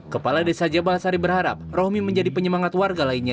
kepala desa jabal sari berharap rohmi menjadi penyemangat warga lainnya